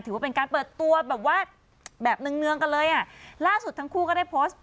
ถือว่าเป็นการเปิดตัวแบบว่าแบบเนืองเนืองกันเลยอ่ะล่าสุดทั้งคู่ก็ได้โพสต์